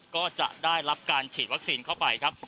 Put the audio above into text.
ก็จะได้รับการฉีดวัคซีนเข้าไปครับ